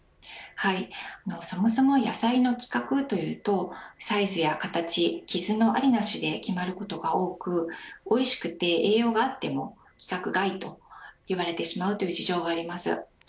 そもそも野菜の規格というとサイズや形、傷のあり、なしで決まることが多くおいしくて栄養があっても規格外と呼ばれてしまうという事情があります。